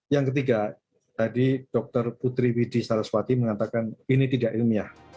yang ketiga tadi dr putri widi saraswati mengatakan ini tidak ilmiah